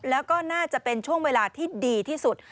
แล้วก็น่าจะเป็นช่วงเวลาที่ดีที่สุด